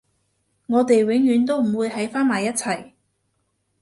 我哋永遠都唔會喺返埋一齊